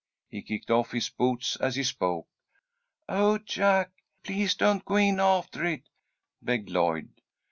He kicked off his boots as he spoke. "Oh, Jack, please don't go in after it!" begged Lloyd.